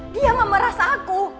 dia memeras aku